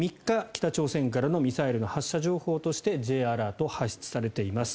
北朝鮮からのミサイルの発射情報としてＪアラート発出されています。